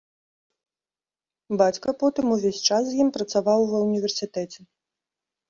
Бацька потым увесь час з ім працаваў ва ўніверсітэце.